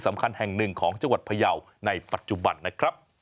ตามแนวทางศาสตร์พระราชาของในหลวงราชการที่๙